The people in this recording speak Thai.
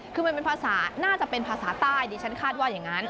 คือมันเป็นภาษาน่าจะเป็นภาษาใต้ดิฉันคาดว่าอย่างนั้น